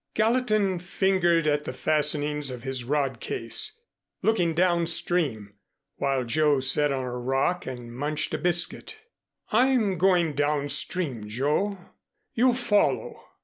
Gallatin fingered at the fastenings of his rod case, looking downstream, while Joe sat on a rock and munched a biscuit. "I'm going downstream, Joe. You follow."